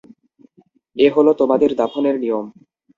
এ হলো তোমাদের দাফনের নিয়ম।